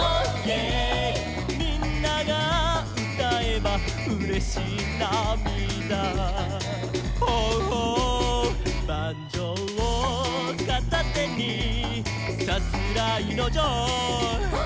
「みんながうたえばうれしなみだ」「」「バンジョーをかたてにさすらいのジョー」「」